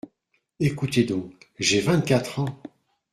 Ecoutez donc, j’ai vingt-quatre ans !